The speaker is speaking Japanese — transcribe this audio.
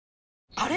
あれ？